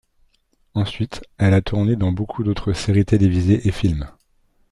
Ensuite, elle a tourné dans beaucoup d'autres séries télévisées et films.